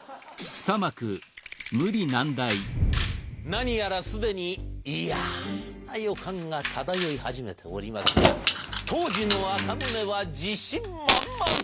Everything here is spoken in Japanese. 何やらすでに嫌な予感が漂い始めておりますが当時の赤宗は自信満々。